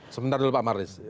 sebentar dulu pak marlis